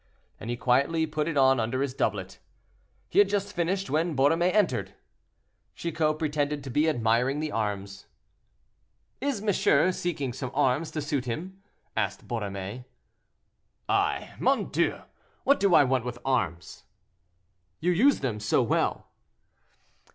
And he quietly put it on under his doublet. He had just finished when Borromée entered. Chicot pretended to be admiring the arms. "Is monsieur seeking some arms to suit him?" asked Borromée. "I! mon Dieu! what do I want with arms?" "You use them so well."